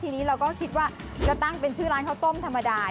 ทีนี้เราก็คิดว่าจะตั้งเป็นชื่อร้านข้าวต้มธรรมดา